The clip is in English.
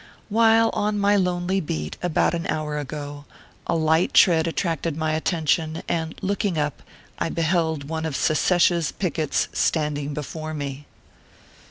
While on my lonely beat, about an hour ago, a light tread attracted my attention, and looking up, I beheld one of secesh s pickets standing before me.